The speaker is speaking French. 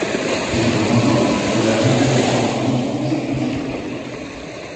Ils joueront donc leurs Ligue des champions consécutive.